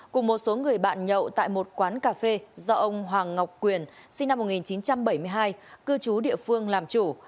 cùng một số người bạn nhậu tại một quán cà phê do ông hoàng ngọc quyền sinh năm một nghìn chín trăm bảy mươi hai cư trú địa phương làm chủ